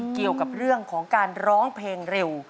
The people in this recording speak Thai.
เกี่ยวกับเรื่องของการร้องเพลงเร็ว